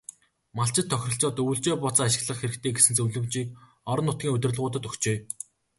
Малчид тохиролцоод өвөлжөө бууцаа ашиглах хэрэгтэй гэсэн зөвлөмжийг орон нутгийн удирдлагуудад өгчээ.